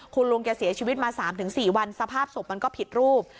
คุณลุงแกเสียชีวิตมา๓๔วันสภาพศพมันก็ผิดรูป